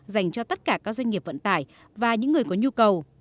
dành cho tất cả các doanh nghiệp vận tải và những người có nhu cầu